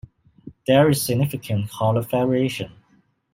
There is significant color variation.